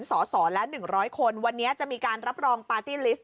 สอสอและหนึ่งร้อยคนวันเนี้ยจะมีการรับรองปาตี้ลิสต์